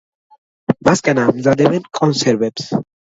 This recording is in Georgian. მისგან ამზადებენ კონსერვებს.